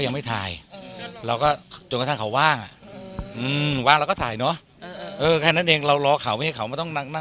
ยังไม่รู้แต่ว่าตอนนี้ก็มีที่จะถ่ายเพิ่มก็มีอยู่